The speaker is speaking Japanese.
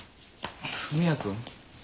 文也君？